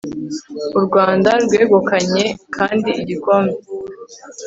u rwanda rwegukanye kandi igikombe